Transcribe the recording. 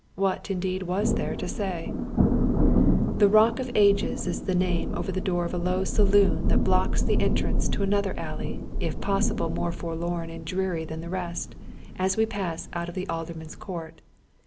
"What, indeed, was there to say ? The " Rock of Ages " is the name over the door of a low saloon that blocks the entrance to another alley, if possible more forlorn and dreaiy than the rest, as we pass out of the Alderman's court.